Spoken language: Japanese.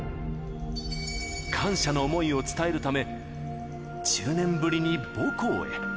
感謝の想いを伝えるため、１０年ぶりに母校へ。